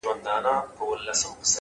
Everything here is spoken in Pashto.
د حقیقت لاره تل روښانه وي’